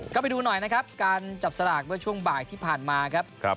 ก็ไปดูหน่อยนะครับการจับสลากเมื่อช่วงบ่ายที่ผ่านมาครับ